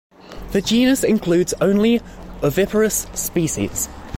The genus includes only oviparous species.